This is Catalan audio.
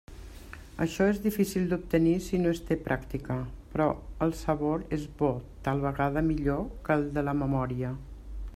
Això és difícil d'obtenir si no es té pràctica, però el sabor és bo, tal vegada millor que el de la memòria.